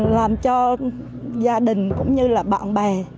làm cho gia đình cũng như là bạn bè